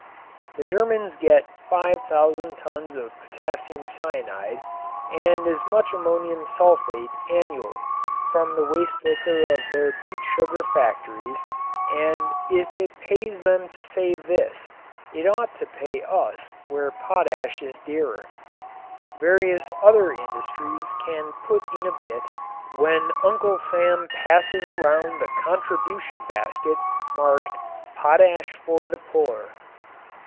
The Germans get 5000 tons of potassium cyanide and as much ammonium sulfate annually from the waste liquor of their beet sugar factories and if it pays them to save this it ought to pay us where potash is dearer. Various other industries can put in a bit when Uncle Sam passes around the contribution basket marked "Potash for the Poor."